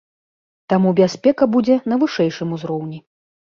Таму бяспека будзе на вышэйшым узроўні.